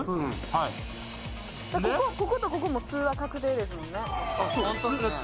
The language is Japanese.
はいこことここもツは確定ですもんねツ